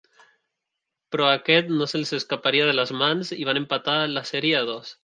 Però aquest no se'ls escaparia de les mans i van empatar la sèrie a dos.